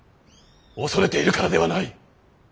恐れているからではない。